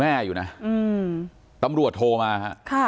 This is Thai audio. แต่ตลาดโทรมา